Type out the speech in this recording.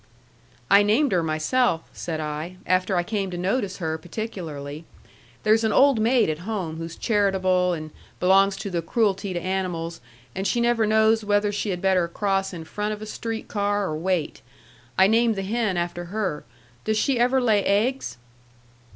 "I named her myself," said I, "after I came to notice her particularly. There's an old maid at home who's charitable, and belongs to the Cruelty to Animals, and she never knows whether she had better cross in front of a street car or wait. I named the hen after her. Does she ever lay eggs?"